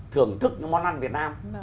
thưởng thức những món ăn việt nam